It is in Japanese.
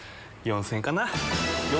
４０００円かな。